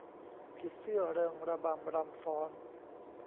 ผีเสื้อเริงระบำรำฟ้อน